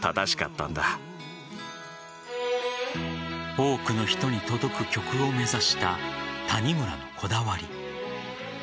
多くの人に届く曲を目指した谷村のこだわり。